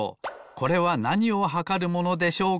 「これはなにをはかるものでしょうか？